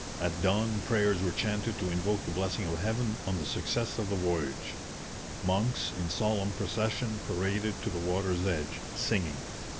At dawn prayers were chanted to invoke the blessing of Heaven on the success of the voyage. Monks in solemn procession paraded to the water's edge, singing.